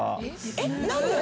えっ何で？